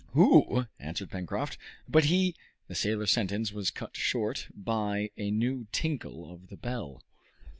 "Who?" answered Pencroft, "but he " The sailor's sentence was cut short by a new tinkle of the bell.